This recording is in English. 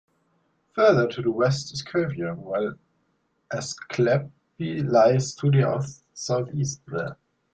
Further to the west is Cuvier, while Asclepi lies to the southeast.